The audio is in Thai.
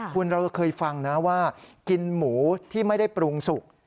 คุณเราเคยฟังนะว่ากินหมูที่ไม่ได้ปรุงสุก